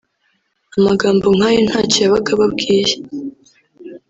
amagambo nk’ayo ntacyo yabaga ababwiye